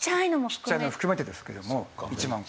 ちっちゃいの含めてですけども１万個。